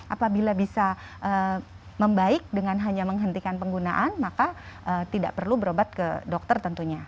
apabila bisa membaik dengan hanya menghentikan penggunaan maka tidak perlu berobat ke dokter tentunya